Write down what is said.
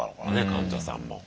患者さんも。